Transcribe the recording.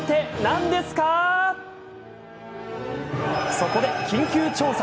そこで緊急調査。